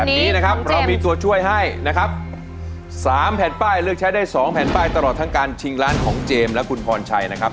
แบบนี้นะครับเรามีตัวช่วยให้นะครับสามแผ่นป้ายเลือกใช้ได้สองแผ่นป้ายตลอดทั้งการชิงล้านของเจมส์และคุณพรชัยนะครับ